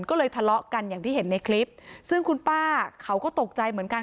ก็เลยทะเลาะกันอย่างที่เห็นในคลิปซึ่งคุณป้าเขาก็ตกใจเหมือนกัน